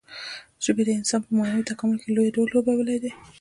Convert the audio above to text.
ژبې د انسان په معنوي تکامل کې لوی رول لوبولی دی.